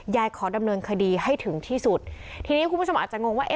ขอดำเนินคดีให้ถึงที่สุดทีนี้คุณผู้ชมอาจจะงงว่า